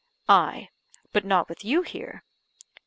I: "But not with you here."